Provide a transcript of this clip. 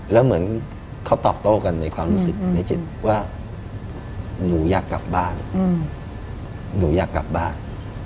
แล้วเหมือนเขาตอกโต้กันในความรู้สึกในจิตว่าหนูอยากกลับบ้าน